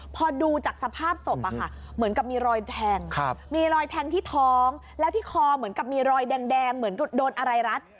พอดูจากสภาพศพเหมือนกับมีรอยแทงมีรอยแทงที่ท้องแล้วที่คอเหมือนกับมีรอยแดงเหมือนโดนอะไรรัด